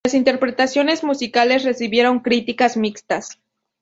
Las interpretaciones musicales recibieron críticas mixtas.